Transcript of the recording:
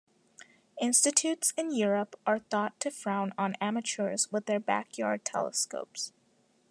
Institutes in Europe are thought to frown on amateurs with their backyard telescopes.